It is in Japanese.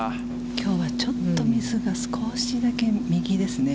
きょうはちょっとミスが少しだけ右ですね。